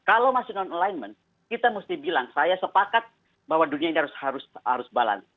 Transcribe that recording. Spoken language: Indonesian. kalau masih non alignment kita mesti bilang saya sepakat bahwa dunia ini harus balan